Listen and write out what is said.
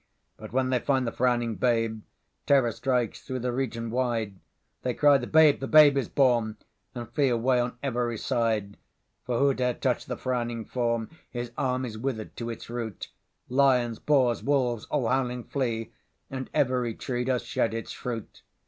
But when they find the Frowning Babe, Terror strikes thro' the region wide:They cry 'The Babe! the Babe is born!'And flee away on every side. For who dare touch the Frowning Form, His arm is wither'd to its root; Lions, boars, wolves, all howling flee, And every tree does shed its fruit.